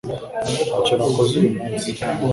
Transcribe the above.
Ntacyo nakoze uyu munsi